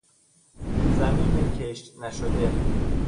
زمین کشتنشده